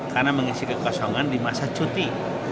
karena mengisi kekosongan di masa cuti